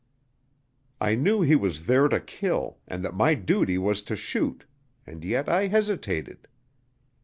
I knew he was there to kill, and that my duty was to shoot, and yet I hesitated.